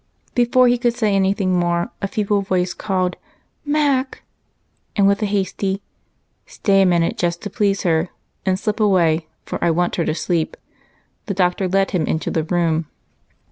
Before he could say any thing more a feeble voice called "Mac!" and with a hasty "Stay a minute just to please her, and then slip away, for I want her to sleep," the Doctor led him into the room.